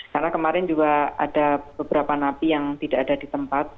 karena kemarin juga ada beberapa napi yang tidak ada di tempat